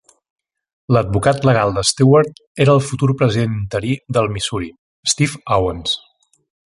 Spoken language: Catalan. L'advocat legal de Stewart era el futur president interí del Missouri, Steve Owens.